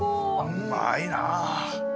うまいな。